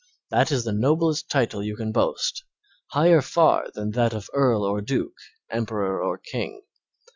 That is the noblest title you can boast, higher far than that of earl or duke, emperor or king.